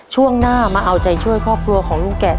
ช่วงหน้ามาเอาใจช่วยครอบครัวของลุงแกะ